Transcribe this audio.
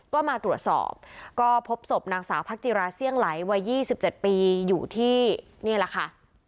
ก็มาตรวจสอบก็พบศพนางสาวพักจิราเสี่ยงไหลวัย๒๗ปีอยู่ที่นี่แหละค่ะ